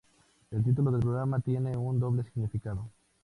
El título del programa tiene un doble significado.